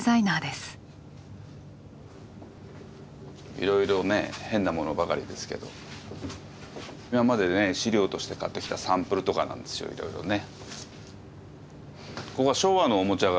いろいろね変なものばかりですけど今までね資料として買ってきたサンプルとかなんですよいろいろね。